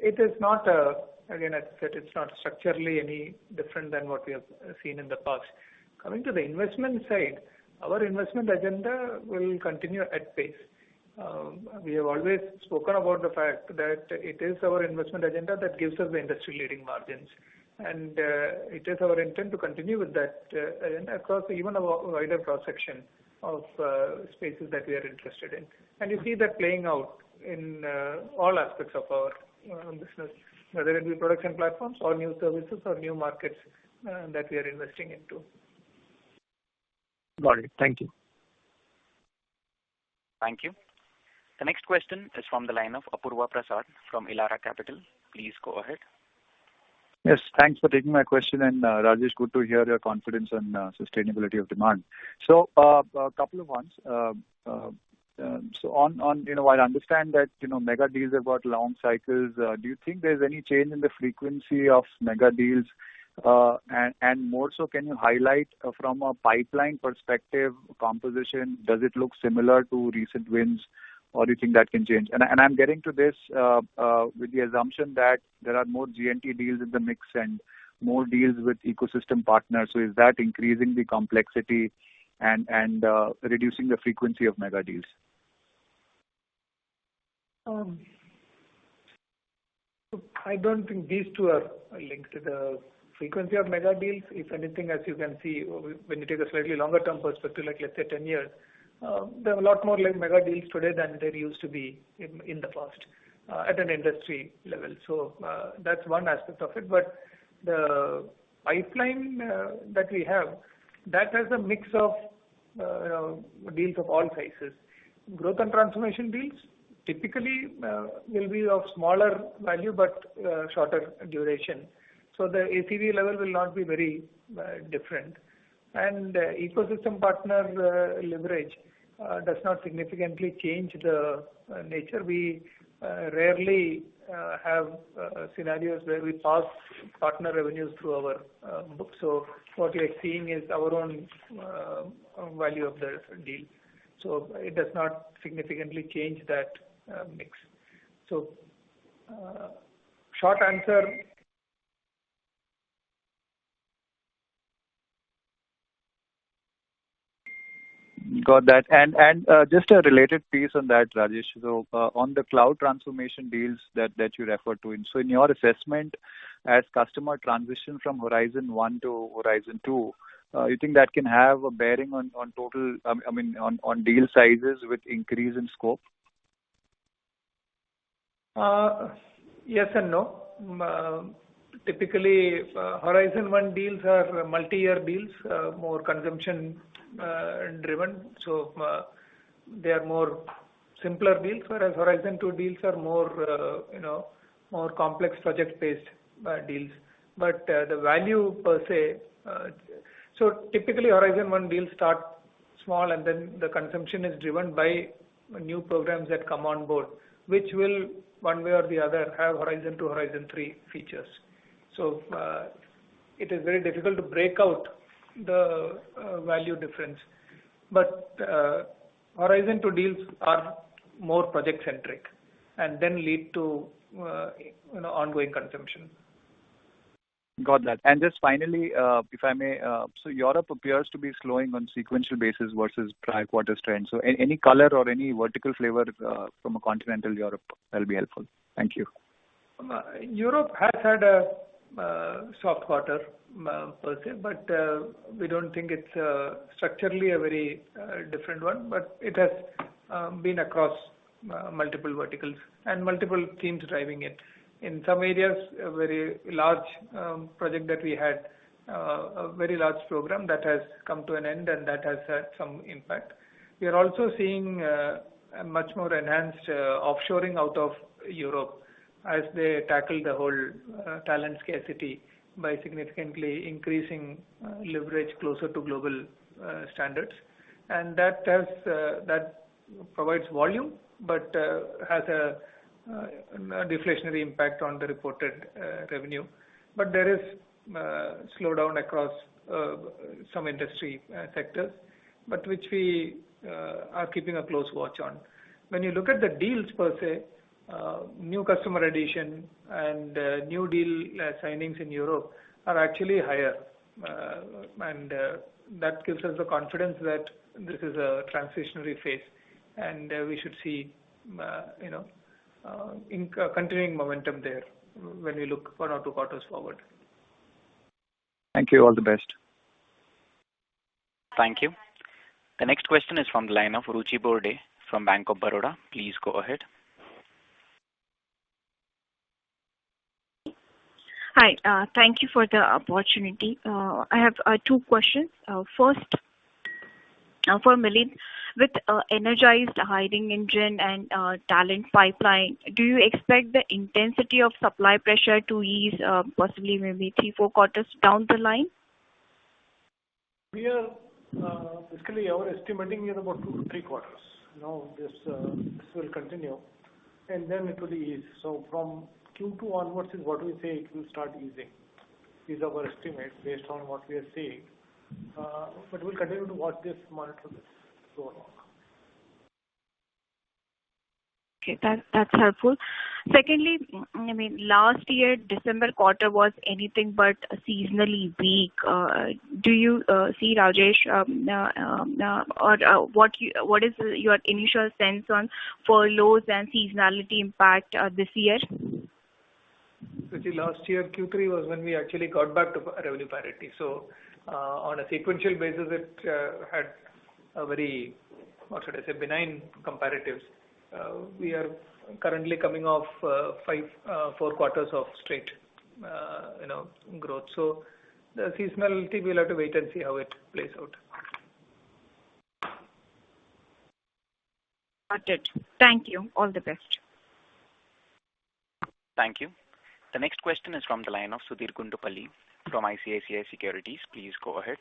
Again, it's not structurally any different than what we have seen in the past. Coming to the investment side, our investment agenda will continue at pace. We have always spoken about the fact that it is our investment agenda that gives us the industry-leading margins. It is our intent to continue with that across even a wider cross-section of spaces that we are interested in. You see that playing out in all aspects of our business, whether it be production platforms or new services or new markets that we are investing into. Got it. Thank you. Thank you. The next question is from the line of Apurva Prasad from Elara Capital. Please go ahead. Yes. Thanks for taking my question. Rajesh, good to hear your confidence on sustainability of demand. A couple of ones. While I understand that mega deals have got long cycles, do you think there's any change in the frequency of mega deals? More so, can you highlight from a pipeline perspective composition, does it look similar to recent wins or do you think that can change? I'm getting to this with the assumption that there are more G&T deals in the mix and more deals with ecosystem partners. Is that increasing the complexity and reducing the frequency of mega deals? I don't think these two are linked to the frequency of mega deals. If anything, as you can see, when you take a slightly longer-term perspective, let's say 10 years, there are a lot more mega deals today than there used to be in the past at an industry level. That's one aspect of it. The pipeline that we have, that has a mix of deals of all sizes. Growth and Transformation deals typically will be of smaller value, but shorter duration. The ACV level will not be very different. Ecosystem partner leverage does not significantly change the nature. We rarely have scenarios where we pass partner revenues through our books. What we are seeing is our own value of the deal. It does not significantly change that mix. Short answer. Got that. Just a related piece on that, Rajesh. On the cloud transformation deals that you refer to. In your assessment, as customer transition from Horizon 1 to Horizon 2, you think that can have a bearing on deal sizes with increase in scope? Yes and no. Typically, Horizon 1 deals are multi-year deals, more consumption-driven, so they are more simpler deals. Whereas Horizon 2 deals are more complex project-based deals. Typically, Horizon 1 deals start small, and then the consumption is driven by new programs that come on board. Which will, one way or the other, have Horizon 2, Horizon 3 features. It is very difficult to break out the value difference. Horizon 2 deals are more project-centric and then lead to ongoing consumption. Got that. Just finally, if I may. Europe appears to be slowing on sequential basis versus prior quarter trends. Any color or any vertical flavor from continental Europe that'll be helpful. Thank you. Europe has had a soft quarter per se, but we don't think it's structurally a very different one. It has been across multiple verticals and multiple teams driving it. In some areas, a very large project that we had, a very large program that has come to an end and that has had some impact. We are also seeing a much more enhanced offshoring out of Europe as they tackle the whole talent scarcity by significantly increasing leverage closer to global standards. That provides volume, but has a deflationary impact on the reported revenue. There is slowdown across some industry sectors, which we are keeping a close watch on. When you look at the deals per se, new customer addition and new deal signings in Europe are actually higher. That gives us the confidence that this is a transitionary phase and we should see continuing momentum there when we look one or two quarters forward. Thank you. All the best. Thank you. The next question is from the line of Ruchi Burde from Bank of Baroda. Please go ahead. Hi. Thank you for the opportunity. I have 2 questions. First, for Milind. With energized hiring engine and talent pipeline, do you expect the intensity of supply pressure to ease possibly maybe three, four quarters down the line? Basically, we are estimating about two to three quarters. This will continue and then it will ease. From Q2 onwards is what we say it will start easing, is our estimate based on what we are seeing. We'll continue to watch this, monitor this going on. Okay. That's helpful. Secondly, last year December quarter was anything but seasonally weak. Do you see, Rajesh, or what is your initial sense for lows and seasonality impact this year? Ruchi, last year Q3 was when we actually got back to revenue parity. On a sequential basis, it had a very, what should I say, benign comparatives. We are currently coming off four quarters of straight growth. The seasonality, we will have to wait and see how it plays out. Got it. Thank you. All the best. Thank you. The next question is from the line of Sudheer Guntupalli from ICICI Securities. Please go ahead.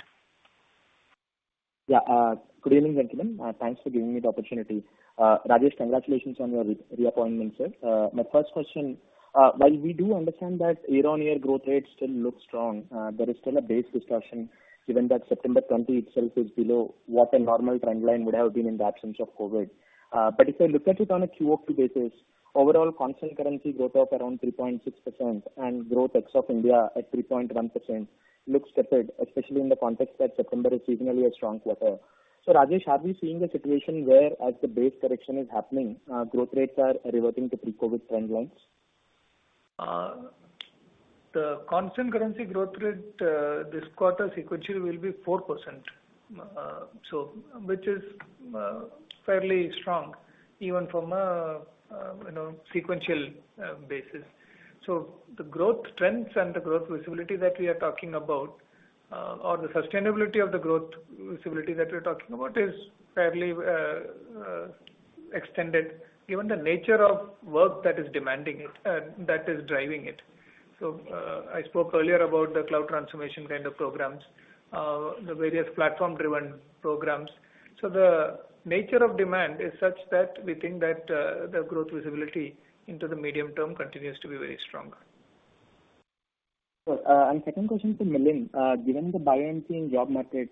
Good evening, gentlemen. Thanks for giving me the opportunity. Rajesh, congratulations on your reappointment, sir. My first question. While we do understand that year-over-year growth rate still looks strong, there is still a base discussion given that September 2020 itself is below what a normal trend line would have been in the absence of COVID. If I look at it on a QOQ basis, overall constant currency growth of around 3.6% and growth ex of India at 3.1% looks tepid, especially in the context that September is seasonally a strong quarter. Rajesh, are we seeing a situation where as the base correction is happening, growth rates are reverting to pre-COVID trend lines? The constant currency growth rate this quarter sequentially will be 4%, which is fairly strong even from a sequential basis. The growth trends and the growth visibility that we are talking about, or the sustainability of the growth visibility that we're talking about, is fairly extended given the nature of work that is demanding it, that is driving it. I spoke earlier about the cloud transformation kind of programs, the various platform-driven programs. The nature of demand is such that we think that the growth visibility into the medium term continues to be very strong. Sure. Second question to Milind. Given the buoyant job market,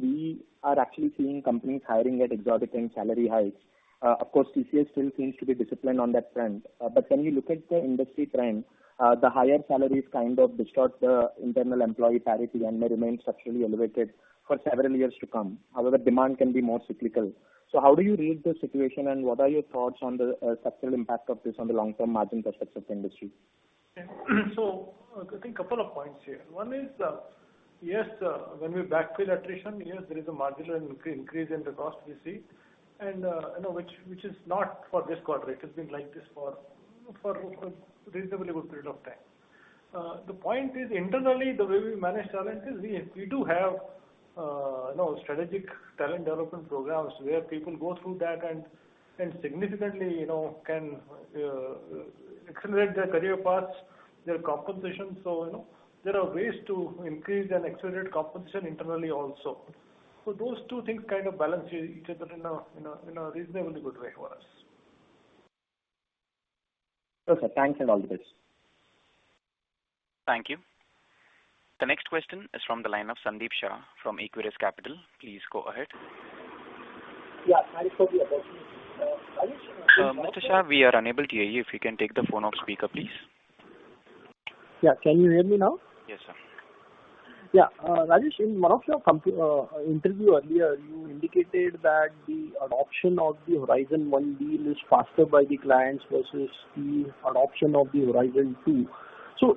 we are actually seeing companies hiring at exorbitant salary hikes. Of course, TCS still seems to be disciplined on that front. When we look at the industry trend, the higher salaries kind of distort the internal employee parity and may remain structurally elevated for several years to come. However, demand can be more cyclical. How do you read the situation, and what are your thoughts on the structural impact of this on the long-term margin prospects of industry? I think couple of points here. One is, yes, when we backfill attrition, yes, there is a marginal increase in the cost we see which is not for this quarter. It has been like this for a reasonably good period of time. The point is, internally, the way we manage talent is we do have strategic talent development programs where people go through that and significantly can accelerate their career paths, their compensation. There are ways to increase and accelerate compensation internally also. Those two things kind of balance each other in a reasonably good way for us. Okay. Thanks and all the best. Thank you. The next question is from the line of Sandeep Shah from Equirus Capital. Please go ahead. Yeah. I spoke to you about this. Mr. Shah, we are unable to hear you. If you can take the phone off speaker, please. Yeah. Can you hear me now? Yes, sir. Rajesh, in one of your interview earlier, you indicated that the adoption of the Horizon 1 deal is faster by the clients versus the adoption of the Horizon 2.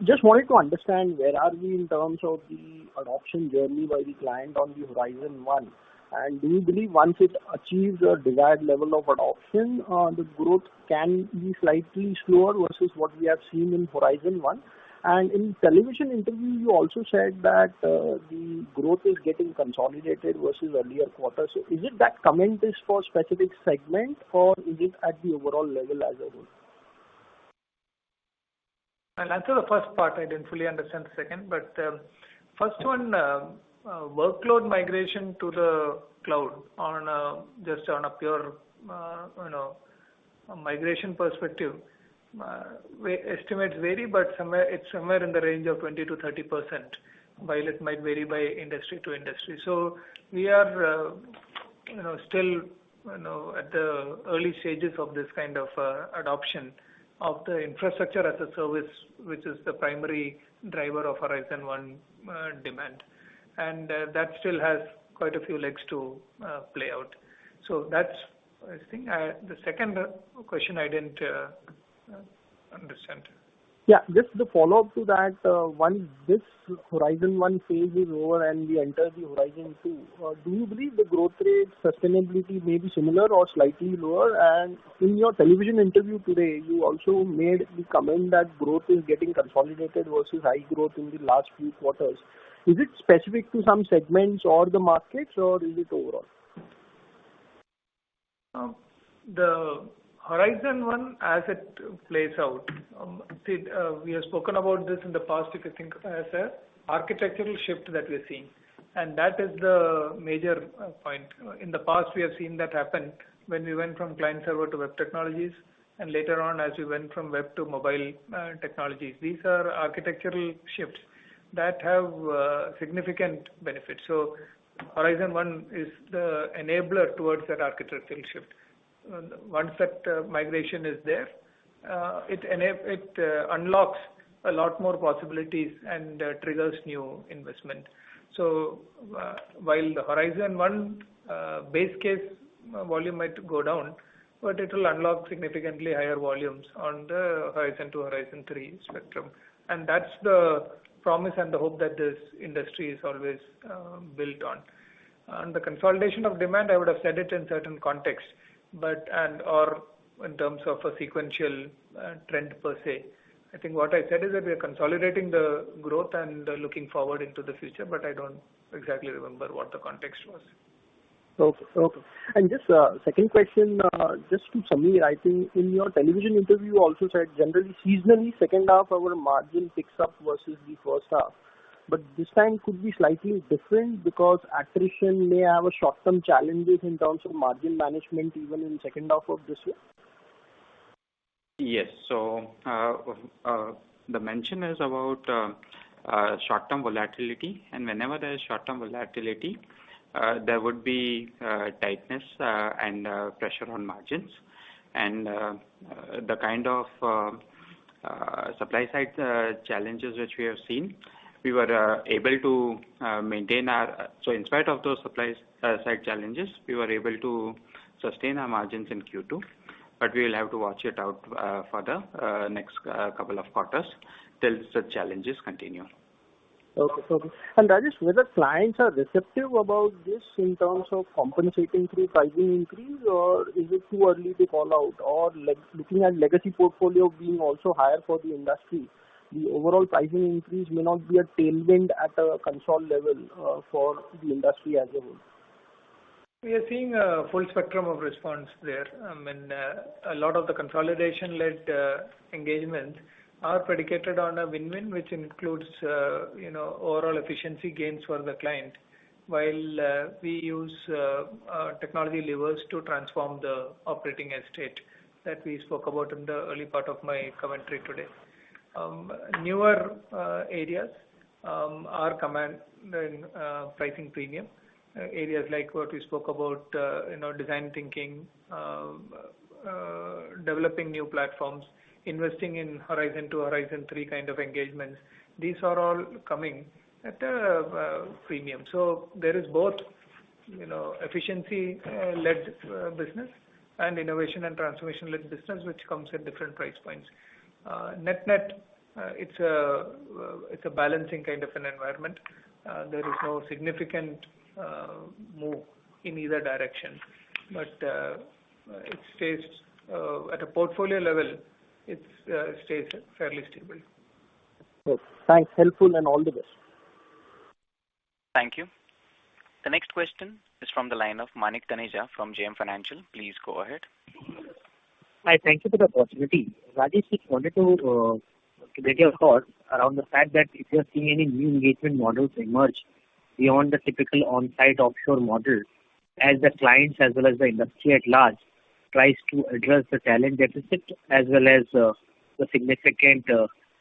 Just wanted to understand where are we in terms of the adoption journey by the client on the Horizon 1, and do you believe once it achieves a desired level of adoption, the growth can be slightly slower versus what we have seen in Horizon 1? In television interview, you also said that the growth is getting consolidated versus earlier quarters. Is it that comment is for specific segment or is it at the overall level as a whole? I'll answer the first part. I didn't fully understand the second. First one, workload migration to the cloud just on a pure migration perspective. Estimates vary, but it's somewhere in the range of 20%-30%, while it might vary by industry to industry. We are still at the early stages of this kind of adoption of the infrastructure as a service, which is the primary driver of Horizon 1 demand. That still has quite a few legs to play out. That's I think the second question I didn't understand. Yeah. Just the follow-up to that. Once this Horizon 1 phase is over and we enter the Horizon 2, do you believe the growth rate sustainability may be similar or slightly lower? In your television interview today, you also made the comment that growth is getting consolidated versus high growth in the last few quarters. Is it specific to some segments or the markets or is it overall? The Horizon 1 as it plays out. We have spoken about this in the past, if you think as an architectural shift that we're seeing. That is the major point. In the past, we have seen that happen when we went from client-server to web technologies and later on as we went from web to mobile technologies. These are architectural shifts that have significant benefits. Horizon 1 is the enabler towards that architectural shift. Once that migration is there, it unlocks a lot more possibilities and triggers new investment. While the Horizon 1 base case volume might go down, but it will unlock significantly higher volumes on the Horizon 2, Horizon 3 spectrum and that's the promise and the hope that this industry is always built on. The consolidation of demand, I would've said it in certain context, or in terms of a sequential trend per se. I think what I said is that we are consolidating the growth and looking forward into the future, but I don't exactly remember what the context was. Okay. Just second question just to Samir. I think in your television interview also said generally seasonally second half our margin picks up versus the first half. This time could be slightly different because attrition may have a short-term challenges in terms of margin management even in second half of this year. The mention is about short-term volatility and whenever there is short-term volatility, there would be tightness and pressure on margins and the kind of supply-side challenges which we have seen. In spite of those supply-side challenges, we were able to sustain our margins in Q2, but we'll have to watch it out for the next couple of quarters till the challenges continue. Okay. Rajesh, whether clients are receptive about this in terms of compensating through pricing increase, or is it too early to call out, or looking at legacy portfolio being also higher for the industry, the overall pricing increase may not be a tailwind at a consol level for the industry as a whole? We are seeing a full spectrum of response there. A lot of the consolidation-led engagements are predicated on a win-win, which includes overall efficiency gains for the client. While we use technology levers to transform the operating estate that we spoke about in the early part of my commentary today. Newer areas are command in pricing premium. Areas like what we spoke about, design thinking, developing new platforms, investing in Horizon 2, Horizon 3 kind of engagements. These are all coming at a premium. There is both efficiency-led business and innovation and transformation-led business, which comes at different price points. Net-net, it's a balancing kind of an environment. There is no significant move in either direction. At a portfolio level, it stays fairly stable. Cool. Thanks. Helpful, and all the best. Thank you. The next question is from the line of Manik Taneja from JM Financial. Please go ahead. Hi. Thank you for the opportunity. Rajesh, just wanted to get your thoughts around the fact that if you're seeing any new engagement models emerge beyond the typical on-site offshore model as the clients as well as the industry at large tries to address the talent deficit as well as the significant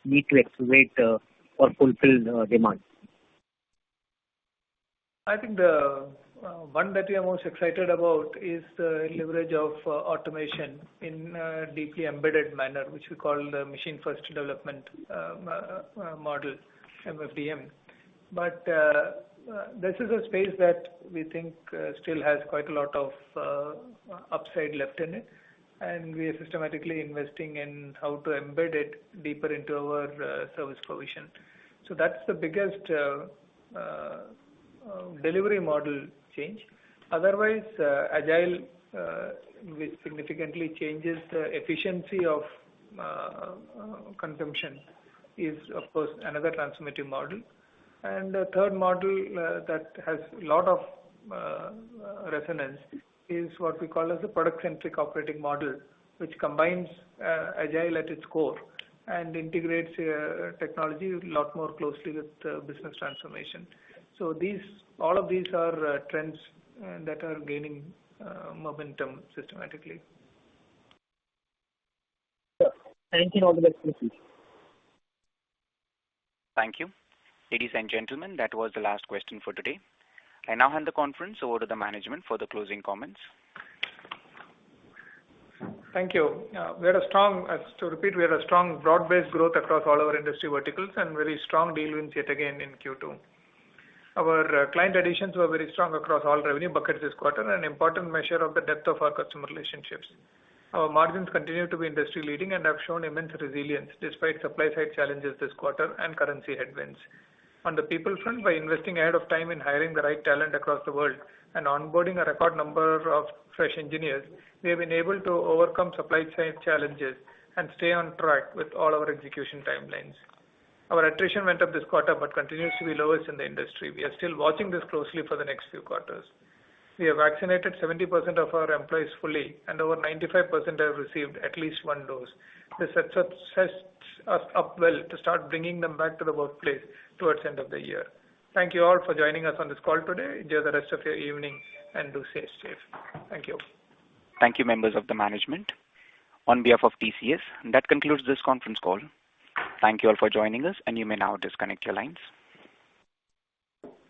need to activate or fulfill demand? I think the one that we are most excited about is the leverage of automation in a deeply embedded manner, which we call the Machine-First Delivery Model, MFDM. This is a space that we think still has quite a lot of upside left in it, and we are systematically investing in how to embed it deeper into our service provision. That's the biggest delivery model change. Otherwise, agile, which significantly changes the efficiency of consumption is, of course, another transformative model. The third model that has lot of resonance is what we call as a product-centric operating model, which combines agile at its core and integrates technology a lot more closely with business transformation. All of these are trends that are gaining momentum systematically. Sure. Thank you. All the best. Thank you. Ladies and gentlemen, that was the last question for today. I now hand the conference over to the management for the closing comments. Thank you. To repeat, we had a strong broad-based growth across all our industry verticals and very strong deal wins yet again in Q2. Our client additions were very strong across all revenue buckets this quarter, an important measure of the depth of our customer relationships. Our margins continue to be industry-leading and have shown immense resilience despite supply-side challenges this quarter and currency headwinds. On the people front, by investing ahead of time in hiring the right talent across the world and onboarding a record number of fresh engineers, we have been able to overcome supply-side challenges and stay on track with all our execution timelines. Our attrition went up this quarter, but continues to be lowest in the industry. We are still watching this closely for the next few quarters. We have vaccinated 70% of our employees fully, and over 95% have received at least one dose. This sets us up well to start bringing them back to the workplace towards end of the year. Thank you all for joining us on this call today. Enjoy the rest of your evening and do stay safe. Thank you. Thank you, members of the management. On behalf of TCS, that concludes this conference call. Thank you all for joining us and you may now disconnect your lines. Thank you